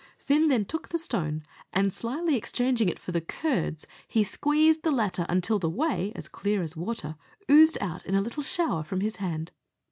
Fin then took the stone, and slyly exchanging it for the curds, he squeezed the latter until the whey, as clear as water, oozed out in a little shower from his hand.